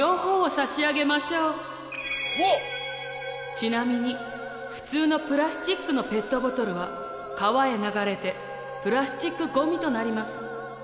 ちなみに普通のプラスチックのペットボトルは川へ流れてプラスチックごみとなります。